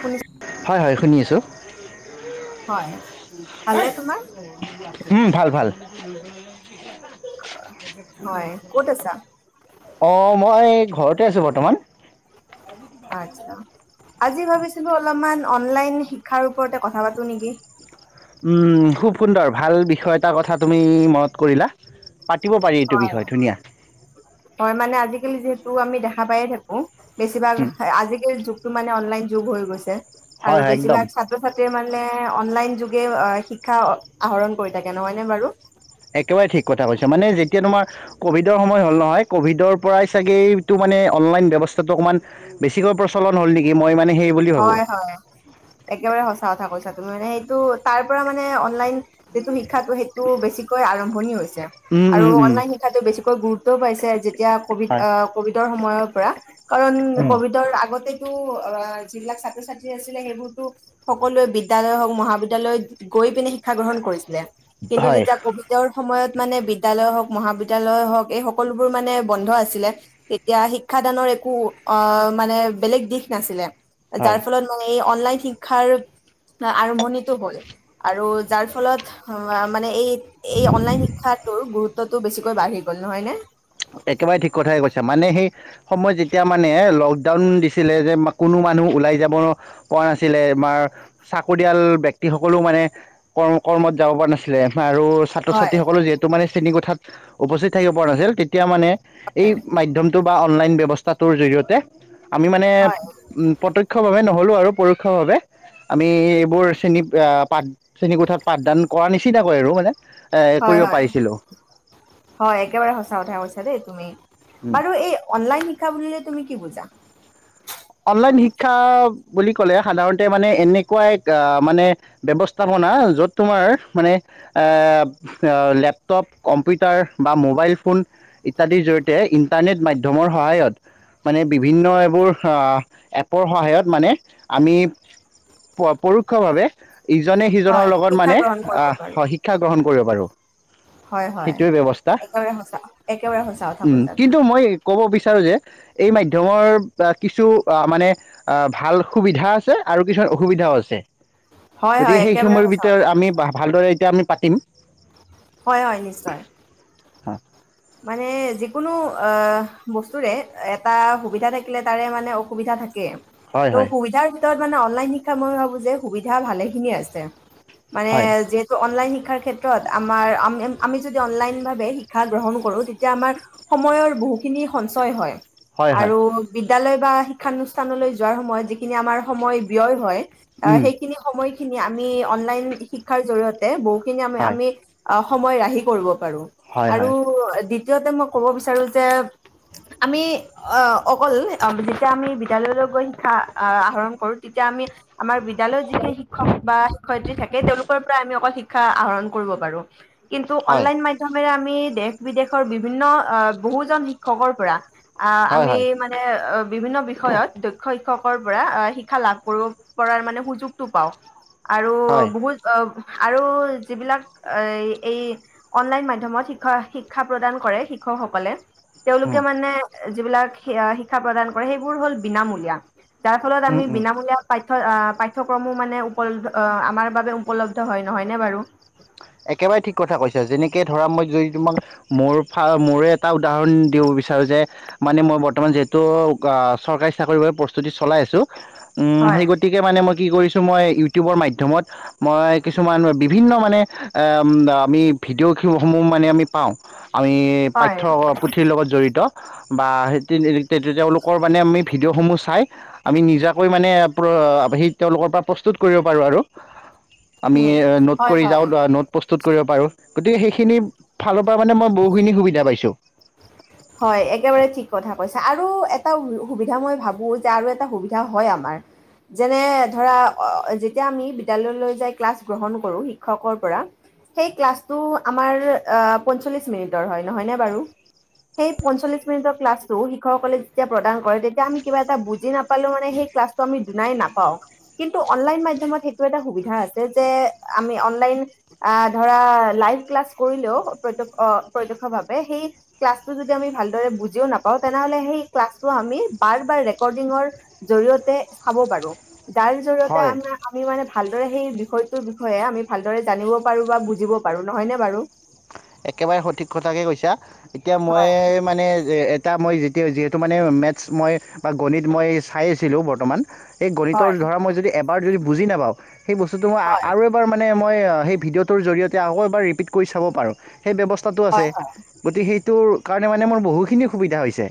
Police হয় হয় শুনি আছোঁ ভালনে তোমাৰ উম ভাল ভাল ম হয় ক'ত আছা [inaudible] অ মই এ ঘৰতে আছোঁ বৰ্তমান। [inaudible] আচ্ছা আজি ভাবিছিলো অলপমান অনলাইন শিক্ষাৰ ওপৰতে কথা পাতো নেকি? উম খুব সুন্দৰ ভাল বিষয় এটাৰ কথা তুমি মনত কৰিলা পাতিব পাৰি এইটো হয় বিষয় ধুনীয়া। তো আমি দেখা পায়ে থাকোঁ। বেছি ভাগ উম, আজিকালিৰ যুগটো মানে অনলাইন যোগ হৈ গৈছে। আৰু হয় হয় একদম বেছিভাগ ছাত্ৰ ছাত্ৰীয়ে মানে অনলাইন যোগে শিক্ষা আহৰণ কৰি থাকে নহয় নে বাৰু? একবাৰে ঠিক কথা কৈছা মানে যেতিয়া তোমাৰ ক'ভিডৰ সময় হ'ল নহয় ক'ভিডৰ পৰাই চাগেএইটো মানে অনলাইন ব্যৱস্থাতটো অকণমান বেছিকৈ প্ৰচলন হ'ল নেকি মই মানে সেই বুলি ভাবোঁ হয় হয় একেবাৰে সঁচা কথা কৈছা। সেইটো তাৰ পৰা মানে অনলাইন যিটো শিক্ষাটো সেইটো বেছিকৈ আৰম ম্ভনি হৈছে। উম আৰু উম উম অনলাইন শিক্ষাতটো বেছিকৈ গুৰুত্ব ত' পাইচে আজি, এতিয়া কভিড হয় ক'ভিডৰ সময়ত, পৰা, কাৰণ উম কভিডৰ আগতেটো, অ'। যিবিলাক ছাত্ৰ ছাত্ৰী আছিলে সেইবোৰতো সকলোৱে বিদ্যালয় হওঁক মহাবিদ্যালয়ত গৈ পিনে শিক্ষা গ্ৰহণ কৰিছিলে কিন্তু হয় যেতিয়া ক'ভিডৰ, সময়ত মানে বিদ্যালয় হওঁক মহাবিদ্যালয় হওঁক এই সকলোবোৰ মানে বন্ধ আছিলে তেতিয়া শিক্ষাদানৰ একো অ মানে বেলেগ দিশ নাছিলে, হয় তাৰ ফলত মানে, অনলাইন শিক্ষাৰ আৰম্ভণিতটো হ'ল আৰু যাৰ ফলত মানে এই এই অনলাইন শিক্ষাটোৰ গুৰুত্বটো বেছিকৈ বাঢ়ি গ'ল নহয় নে। একেবাৰে ঠিক কথাই কৈছে মানে সেই সময়ত যেতিয়া মানে লকডাউন দিছিলে যে কোনো মানুহ ওলাই যাব পৰা নাছিলে বাৰ চাকৰিয়াল ব্যক্তিসকলে মানে ক কৰ্মত যাব পৰা নাছিলে, আৰু ছাত্ৰ হয়, ছাত্ৰী সকলো যিহেতু মানে খিনি কথাত উপস্থিত থাকিব পৰা নাছিল এতিয়া মানে এই মাধ্যমটো বা অনলাইন ব্যৱস্থাটোৰ জৰিয়তে, আমি মানে হয়, প্ৰত্যক্ষভাৱে নহয় হ'লোঁ আৰু পৰোক্ষভাৱে আমি এইবোৰ চেণী পাঠ চেণী কোঠাত পাঠদান কৰা নিচিনাকৈ আৰু মানে, এ হয় কৰিব হয় পাৰিছিলোঁ হয় একেবাৰে সঁচা কথা কৈছে। চ দেই তুমি উম। বাৰু এই অনলাইন শ [unintelligible] বুলিলে তুমি কি বুজা অনলাইন শিক্ষা বুলি ক'লে সাধাৰণতে মানে এনেকুৱা এক মানে ব্যৱস্থাপনা য'ত তোমাৰ মানে লেপটপ, কম্পিউটাৰ বা মোবাইল ফোন ইত্যাদিৰ জৰিয়তে ইণ্টাৰনেট মাধ্যমৰ সহায়ত মানে বিভিন্ন এইবোৰ এপৰ সহায়ত মানে আমি পৰোক্ষভাৱে ইজনে সিজনৰ হয়, লগত শিক্ষা মানে গ্ৰহণ কৰিব পাৰো। শিক্ষা গ্ৰহণ কৰিব পাৰোঁ, হয়, হয়, সেইটোৱে ব্যৱস্থা একেবাৰে সঁচা একেবাৰে সঁচা কথা কৈছা তুমি। কিন্তু মই কব বিচাৰোঁ যে এই মাধ্যমৰ কিছু অ' মানে অ' ভাল সুবিধা আছে আৰু কিছুমান অসুবিধাও আছে। হয়, হয়, গতিকে সেই একেবাৰে সময়ৰ সঁচা ভিতৰত কথা আমি কৈছা। ভালদৰে এতিয়া আমি পাতিম। হয় হয় নিশ্চয়। হ [unintelligible] মানে যিকোনো বস্তুৰে এটা সুবিধা থাকিলে তাৰে মানে অসুবিধা থাকে। হয়, ত হয়, সুবিধাৰ কত মানে অনলাইন শিক্ষা মই ভাবোঁ যে সুবিধা ভালেখিনি আছে। মানে হয়, যিহেতু অনলাইন শিক্ষাৰ ক্ষেত্ৰত আমাৰ আমি যদি অনলাইনভাৱে শিক্ষা গ্ৰহণ কৰোঁ তেতিয়া আমাৰ সময়ৰ বহুখিনি সঞ্চয় হয়। হয়, হয়, হয় আৰু বি বিদ্যালয় বা শিক্ষানুষ্ঠানলৈ যোৱাৰ সময়ত যিখিনি আমাৰ সময় ব্যয় হয় অ উম, সেইখিনি সময় খিনি আমি অনলাইন শিক্ষাৰ জৰিয়তে বু কি আমি হয়, আমি অ সময় ৰাহি কৰিব পাৰো হয়, আৰু হয়, দ্বিতীয়তে মই ক'ব বিচাৰো যে আমি অ অকল যেতিয়া আমি বিদ্যালয়লৈ গৈ শিক্ষা আহ আহৰণ কৰো তেতিয়া আমি আমাৰ বিদ্যালয়ত যিখিন শিক্ষক বা শিক্ষয়িত্ৰী থাক তেওঁলোকৰ পৰা আমি অকল শিক্ষা শিক্ষা আহৰণ কৰিব পাৰো। কিন্তু হয়, অনলাইন মাধ্যমেৰে আমি [unintelligible] বিদেশৰ বিভিন্ন বহুজন শিক্ষকৰ পৰা, অ', হয়, আমি হয়, মানে অ', বিভিন্ন বিষয়ত দক্ষ শিক্ষকৰ পৰা শিক্ষা লাভ কৰিব পাৰ মানে সুযোগটো পাওঁ। আৰু হয়, বহুত অ', আৰু যিবিলাক এ এই অনলাইন মাধ্যমত শিক্ষা শি শিক্ষা প্ৰদান কৰে শিক্ষকসকলে, তেওঁলোকে উম, মানে, যিবিলাক শিক্ষা প্ৰদান কৰে সেইবোৰ হল বিনামূলীয়া। তাৰ ফলত উম, আমি উম। বিনামূলীয়া পা পাঠ্যক্ৰমো মানে উপলব্ধ আমাৰ বাবে উপলব্ধ হয় নহয়নে বাৰু? একেবাৰে ঠিক কথা কৈছ যেনেকে ধৰা মই যদি তোমাক মোৰ মোৰে এটা উদাহৰণ দিব বিচাৰোঁ যে মানে মই বৰ্তমান যিহেতু চৰকাৰী চাকৰিৰ বাবে প্ৰস্তুতি চলাই আছোঁ, উম হয় সেই গতিকে মানে মই কি কৰিছো মই, ইউটিউবৰ মাধ্যমত মই কিছুমান বিভিন্ন মানে, আমি ভিডিঅ'সমূহ মানে আমি পাওঁ। আমি হয় পাঠ্য পুথিৰ লগত জড়িত, বা তেওঁলোকৰ মানে আমি ভিডিঅ'সমূহ চাই আমি নিজাকৈ মানে সেই তেওঁলোকৰ পৰা প্ৰস্তুত কৰিব পাৰোঁ আৰু। আমি উম নোট হয় কৰি হয় যাওঁ নোট প্ৰস্তুত কৰিব পাৰো গতিকে সেইখিনি ফাল পৰা মানে মই বহুখিনি সুবিধা পাইছো। হয় একেবাৰে ঠিক কথা কৈছে আৰু এটা সুবিধা মই ভাবো যে আৰু এটা সুবিধা হয় আমাৰ যেনে ধৰা যেতিয়া আমি বিদ্যালয়লৈ যাই ক্লাছ গ্ৰহণ কৰো শিক্ষকৰ পৰা সেই ক্লাছটো আমাৰ পঞ্চল্লিছ মিনিটৰ হয় নহয়নে বাৰু? সেই পঞ্চলিছ মিনিটৰৰ ক্লাছটো শিক্ষকসকলে যেতিয়া প্ৰদান কৰে তেতিয়া আমি কিবা এটা বুজি নাপালেও মানে সেই ক্লাছটো আমি দুনাই নাপাও কিন্তু অনলাইন মাধ্যমত সেইটো এটা সুবিধা আছে যে আমি অনলাইন আহ ধৰা লাইভ ক্লাছ কৰিলেও প্ৰ- প্ৰত্যক্ষ ভাৱ সেই ক্লাছটো যদি আমি ভালদৰে বুজিও নাপাওঁ তেনেহলে সেই ক্লাছটো আমি বাৰ বাৰ ৰেকডিংৰ জৰিয়তে চাব পাৰো। দাইৰ জৰিয়তে হয় আমাৰ আমি মানে, ভালদৰে সেই বিষয়টোৰ বিষয়ে আমি ভালদৰে জানিব পাৰো বা বুজিব পাৰো নহয় নে বাৰু? একেবাৰে সঠিক কথাকে কৈছা। এতিয়া মই হয় মানে যে এতিয়া মই যেতিয়া যিহেতু মানে মেথছ মই বা গণিত মই চাই আছিলোঁ বৰ্তমান, এই গণিতৰ হয় ধৰা মই যদি এ বাৰ যদি বুজি নাপাওঁ, সেই বস্তুটো মই হয় আৰু এবাৰ মানে মই, সেই ভিডিঅ'টোৰ জৰিয়তে আকৌ এবাৰ ৰিপিট কৰি চাব পাৰোঁ। সেই ব্যৱস্থাটো হয় আছে গতিকে সেইটোৰ, কাৰণে মানে মোৰ বহুখিনি সুবিধা হৈছে।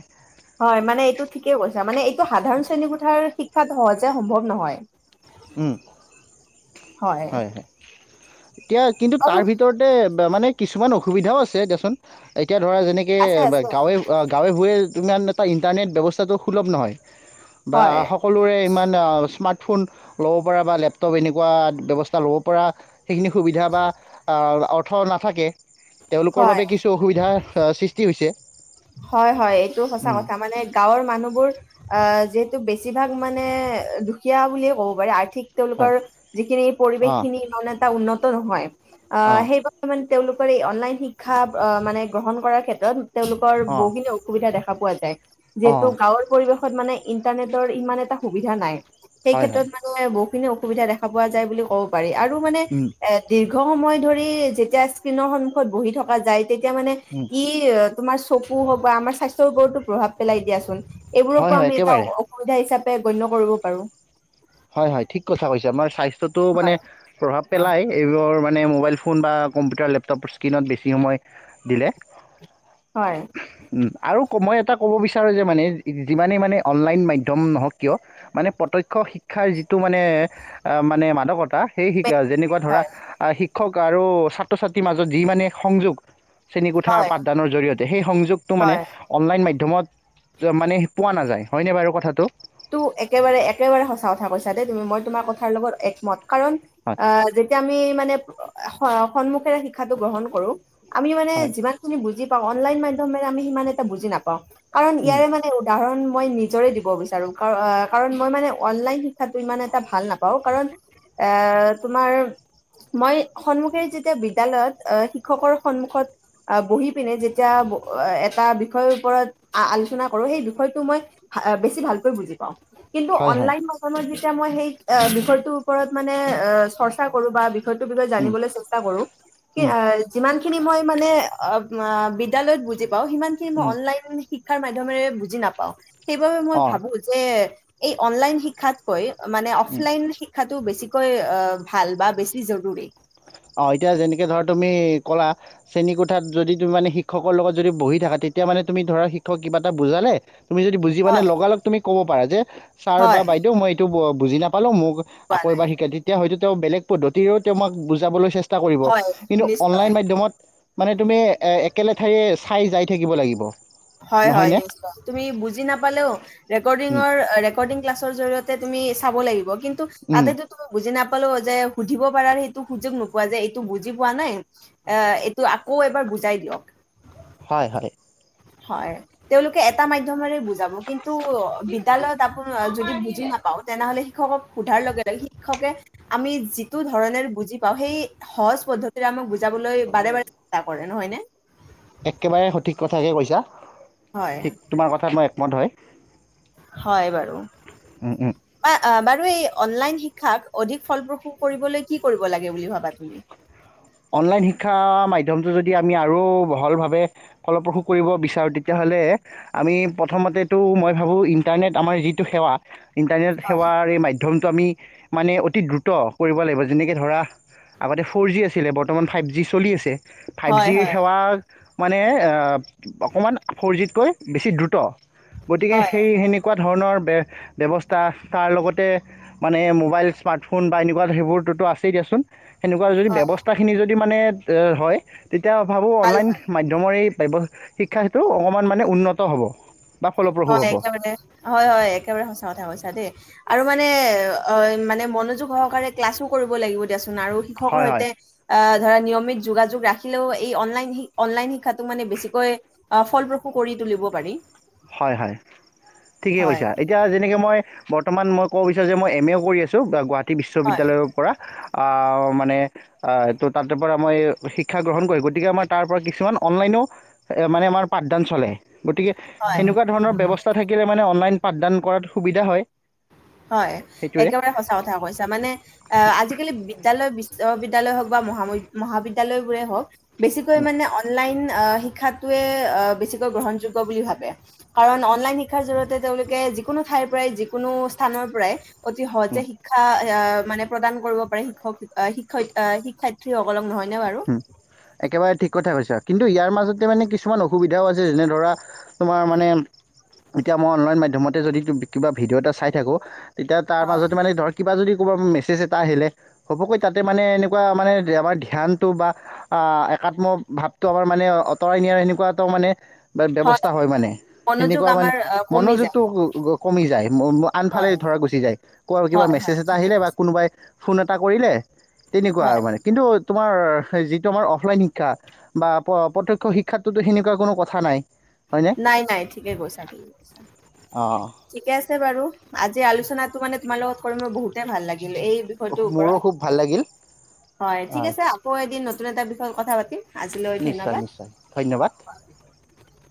হয়, মানে এইটো ঠিকে কৈছা মানে এইটো সাধাৰণ শ্ৰেণী কোঠাৰ শিক্ষাত সহজে সম্ভৱ নহয়। উম। হয়। এতিয়া কিন্তু আৰু তাৰ ভিতৰতে ব-মানে কিছুমান অসুবিধাও আছে দিয়াচোন। এ এতিয়া ধৰা যেনেক, আছে আছে গাঁৱে-অ', গাঁৱে-ভূঞে ইমান এটা ইণ্টাৰনেট ব্যৱস্থাটো সুলভ নহয়। বা হয় সকলোৰে ইমান স্মাৰ্ট ফোন ল'ব পৰা বা লেপটপ এনেকুৱা ব্যৱস্থা ল'ব পৰা সেইখিনি সুবিধা বা অৰ্থ নাথাকে তেওঁলোকৰ হয় বাবে কিছু অসুবিধা সৃষ্টি ষ্টি হৈছে। হয়, হয়। এইটো সঁচা উম, কথা, মানে গাঁৱৰ মানুহবোৰ আ যিহেতু বেছিভাগ মানে দুখীয়া বুলিয়ে ক'ব পাৰি। আৰ্থিক তেওঁলোকৰ হয় যিখিনি পৰিৱেশ অঁ খিনি মানে এটা উন্নত নহয়। অ', অঁ সেইবাবে মান তেওঁলোকৰ এই অনলাইন শিক্ষা মানে গ্ৰহণ কৰাৰ ক্ষেত্ৰতলোক অঁ বহুখিনি অসুবিধা দেখা পোৱা যায় যিহেতু অঁ গাঁৱৰ পৰিৱেশ মানে ইণ্টাৰনেটৰ ইমান এটা সুবিধা নাই সেই হয় হয় ক্ষেত্ৰত মানে খিনি অসুবিধা দেখা পোৱা যায় বুলি ক'ব পাৰি আৰু মানে উম, দীৰ্ঘ সময় ধৰি যেতিয়া স্কণনৰ সন্মুখত বহি থকা যায়। তেতিয়া মানে উম, ই, তোমাৰ চকু হওক বা আমাৰ স্বাস্থ্যৰওৰতো প্ৰভাৱ পেলাই দিয়াচোন। এইবোৰকো হয় হয় আমি এটা একেবাৰে অসুবিধা হিচাপে, গণ্য কৰিব পাৰো। হয় হয় ঠিক কথা কৈছে আমাৰ স্বাস্থ মানে হয় প্ৰভাৱ পেলাই এইবোৰ, মানে মোবাইল ফোন বা কম্পিউটাৰ লেপটপ স্ক্ৰীণত বেছি সময় দিলে। হয় উম আৰু মই এটা ক'ব বিচাৰোঁ যে মানে যিমানেই মানে অনলাইন মাধ্যম নহওঁক কিয় মানে প্ৰত্যক্ষ শিক্ষক শিক্ষাৰ যিটো মানে মানে মাদকতা সেই শিক্ষা যেনেকুৱা ধৰা শিক্ষা শিক্ষক আৰু ছাত্ৰ ছাত্ৰীৰ মাজত যি মানে সংযোগ, চেনী কোঠাৰ হয় পাঠদানৰ জৰিয়তে সেই সংযোগটো মানে হয় অনলাইন মাধ্যম ধুমত মানে পোৱা নাযায় হয়নে বাৰু কথাটো তো একেবাৰে একেবাৰে সঁচা কথা কৈছা দেই তুমি মই তোমাৰ কথাৰ লগত একমত। কাৰণ হয় অ যেতিয়া আমি মানে সন্মুখেৰে শিক্ষাটো গ্ৰহণ কৰো। আমি মানে হয় যিমান খিনি বুজি অনলাইন মাধ্যম আমি সিমান এটা বুজি নাপাওঁ। কাৰণ উম, ইয়াৰে মানে উদাহৰণ, মই নিজৰে দিব বিচাৰো। কাৰণ মই মানে অনলাইন শিক্ষাটো ইমান এটা ভাল নাপাওঁ কাৰণ এ তোমাৰ মই সন্মুখে যেতিয়া বিদ্যালয়ত শিক্ষকৰ সন্মুখত বহি পিনে যেতিয়া এটা বিষয়ৰ ওপৰত আলোচনা কৰো সেই বিষয়টো মই বেছি ভাল। বুজি পাওঁ। কিন্তু হয় হয় অনলাইন ম য এতিয়া মই সেই বিষয়টোৰ ওপৰত মানে অ চৰ্চা কৰো বা বিষয়টোৰ বিষয়ে উম, জানিবলৈ চেষ্টা কৰো কি উম, যিমান। খিনি মই মানে অ বিদ্যালয়ত বুজি, বাৰু সিমানখিনি মই উম। অনলাইন, শিক্ষাৰ মাধ্যমেৰে বুজি নাপাওঁ সেইবাবে, অঁ ভাবো যে, এই অনলাইন শিক্ষাতকৈ মানে অফলাইন শিক্ষাটো বেছি, কৈ আহ ভাল বা বেছি জৰুৰী অ এতিয়া যেনেকে ধৰা তুমি ক'লা শেণীোঠাত যদি তুমি মানে শিক্ষকৰ লগত যদি বহি থাকা তেতিয়া মানে তুমি ধৰা শিক্ষক কিবা এটা বুজালে, তুমি য বুজিপোৱা নাই হয়, লগা লগ তুমি ক'ব পাৰা যে, ছাৰ বা হয়, বাইদেউ মই এইটো বুজি নাপালো মোক পোৱা আকৌ নাই। এবাৰ শিকে তেতিয়া হয়তো, তেওঁ বেলেগ পদ্ধতিৰেও তেওঁআমক যাবলৈ চেষ্টা, কৰিব হয়, কিন্তু নিশ্চয়। অনলাইন মাধ্যমত মানে তুমি, একে লেঠায়িয়ে চাই যাই থাকিব লাগিব। হয়, হয় নহয়নে [unintelligible] তুমি বুজি নাপালেওঁ উম, ৰেকৰ্ডিংৰ, ৰেকৰ্ডিং ক্লাচ জৰিয়তে তুমি চাব লাগিব। কিন্তু উম, তাতেটো তুমি বুজি নাপ পালো যে, সুধিব পাৰাৰ সেইটো সুযোগ নোপোৱা যে, এইটো বুজি পোৱা নাই, এ-এইটো আকৌ এবাৰ বুজাই দিয়ক। হয়, হয়। হয়, তেওঁলোকে এটা মাধ্যমৰে বু যাব কিন্তু অ', বিদ্যায়ালয়ত আপোন যদি বুজি নাপাওঁ তেনেহ'লে শিক্ষকক সোধাৰ লগে, লগে শিক্ষকে আমি যিটো ধৰণেৰ বুজি পাওঁ, সেই সহজ পদ্ধতিৰে আমাক‌ বু যাবলৈ বাৰে, বাৰে [unintelligible] কৰে। নহয়নে? একেবাৰে সঠিক কথাকে কৈছা। হয়, ঠিক, তোমাৰ কথাত মই [unintelligible] হয়, বাৰু উম, উম। [unintelligible] অ', বাৰু এই অনলাইন শিক্ষাক অধিক ফলপ্ৰসূ কৰিবলৈ কি কৰিব লাগে বুলি ভাবা তুমি? অনলাইন শিক্ষা মাধ্যমটো যদি আমি আৰু বহলভাৱে ফলপ্ৰসূ কৰিব বিচাৰোঁ, তেতিয়াহ'লে আমি প্ৰথমতেতো মই ভাবোঁ ইণ্টাৰনেট আমাৰ যিটো সেৱা ইণ্টাৰনেট সেৱাৰ এই মাধ্যম টো, আমি মানে অতি দ্ৰুত কৰিব লাগিব, যেনেকে ধৰা আগতে ফ'ৰ জি আ আছিলে, বৰ্তমান ফাইভ জি চলি আছে। ফাইভ হয়, জিৰ হয়, সেৱা মানে আ, অকণমান ফ'ৰ জিতকৈ বেছি দ্ৰুত। গতিকে হয়, সেই সেনেকুৱাত ধৰণৰ বে-ব্যৱস্থা তাৰ লগতে মানে মোবাইল, স্মাৰ্টফোন বা এনেকুৱা সেইবোৰতোটো আছেই দিয়াচোন। সেনেকুৱা যদি হয়, ব্যৱচ খিনি যদি মানে ত' হয় তেতিয়া ভাবোঁ ভাল অনলাইন হয়। মাধ্যমৰে ব্য শিক্ষা সেত্ৰ অকমান মানে উন্নত হ'ব। বা ফলপ্ৰসূ হয়, হ'ব একেবাৰে হয় হয় একেবাৰে সঁচা কথা কৈছা দেই। আৰু মানে অ মানে মনোযোগ সহকাৰে ক্লাছো কৰিব লাগিব দিয়া চোন আৰু শিক্ষকৰ হয় হয় সৈতে আ ধ নিয়মিত যোগাযোগ ৰাখিলেও এই অনলাইন শিক্ষাকো মানে বেছিকৈ ফলপ্ৰসূ কৰি তুলিব পাৰি। হয়, হয়। ঠিকে হয় কৈছা এতিয়া যেনেকে মই বৰ্তমান মই ক'ব বিচাৰো যে মই এম এ কৰি আছোঁ গুৱাহাটী হয় বিশ্ববিদ্যালয়ৰ পৰা। মানে এইটো তা পৰা মই শিক্ষা গ্ৰহণ কৰি গতিকে আমাৰ তাৰ পৰাৰা কিছুমান অনলাইনো মানে আমাৰ পাঠদান চলে গতিকে। হয় সেনেকুৱা ধৰণৰ ব্যৱস্থা থাকিলে মানে অনলাইন পাঠদান কৰাত সুবিধা হয়। হয় সেইটোৱে একেবাৰে সঁচা কথা কৈছা মানে আহ আজিকালি বিদ্যালয় বিশ্ববিদ্যালয় হওক বা মহা মহাবিদ্যালয় বোৰে হওক বেছিকৈ মানে অনলাইন অ শিক্ষা টোৱেই অ গ্ৰহনযোগ্য বুলি ভাবে কাৰণ অনলাইন শিক্ষা জৰিয়তে তেওঁ লোকে যি কোনো তাইৰ পৰাই যি কোনো স্থানৰ পৰাই অতি সহজে শিক্ষা আহ মানে প্ৰদান কৰিব পাৰে শিক্ষক আহ শিক্ষয়িত্ৰী শিক্ষাসাঠী সকলক নহয় উ একেবাৰে ঠিক কথা কৈছা। কিন্তু ইয়াৰ মাজতে মানে কিছুমান অসুবিধাও আছে যেনে ধৰা তোমাৰ মানে এতিয়া মই অনলাইন মাধ্যমতে যদি কিবা ভিডিঅ' এটা চাই থাকোঁ তেতিয়া তাৰ মাজতে মানে ধৰক কিবা যদি মেচেজ এটা আহিলে ঘপহকৈ তাতে মানে এনেকুৱা মানে আমাৰ ধ্যান বা একাত্ম ভাৱটো আমাৰ মানে অতৰাই নিয়াৰ সেনেকুৱা এটাও মানে ব্যৱস্থা হয় মানে মনোযোগ সেনেকুৱা মানে আমাৰ আ কমি যায়। মনোযোগটো কমি যায়। আনফালে হয়, ধৰা গুচি যায় ক' কিবা হয়, মেছেজ হয় এটা ঠিকে আহিলে বা কৈছা। কোনোবাই ফোন এটা কৰিলে তেনেকুৱা আৰু হয়, মানে কিন্তু তোমাৰ যিটো আমাৰ অফলাইন শিক্ষা বা প্ৰত্যক্ষ শিক্ষাতটোতো সেনেকুৱা কোনো কথা নাই। হয়নে নাই নাই ঠিকে কৈছা ঠিকে কৈছা অঁ ঠিকে আছে বাৰু আজি আলোচনাটো মানে তোমাৰ লগত কৰি মই বহুত ভাল লাগিল এই বিষয়টোৰ মোৰো ওপৰত খুব ভাল লাগিল হয় ঠিক আছে আকৌ এদিন নতুন এটা বিষয়ত কথা পাতিম আজিলৈ নিশ্চয় ধন্যবাদ।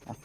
হয়।